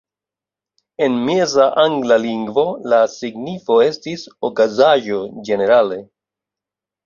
En Meza angla lingvo, la signifo estis "okazaĵo" ĝenerale.